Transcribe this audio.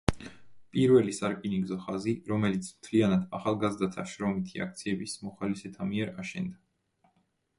პირველი სარკინიგზო ხაზი, რომელიც მთლიანად ახალგაზრდათა შრომითი აქციების მოხალისეთა მიერ აშენდა.